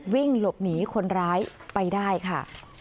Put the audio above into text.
วิ่งหลบหนีคนร้ายไปได้ค่ะ